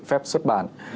phép xuất bản